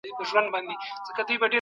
تاسو به له خپل ژوند څخه پوره خوند اخلئ.